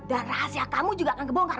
dan rahasia kamu juga akan kebongkar